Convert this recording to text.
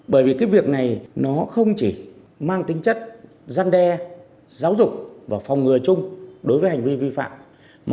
bởi vì cái việc này nó không chỉ mang tính chất gian đe giáo dục và phòng ngừa chung đối với hành vi vi phạm